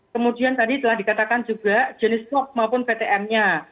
kemudian tadi telah dikatakan juga jenis swab maupun ptmnya